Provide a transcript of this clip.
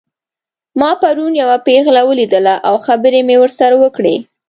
ما پرون یوه پیغله ولیدله او خبرې مې ورسره وکړې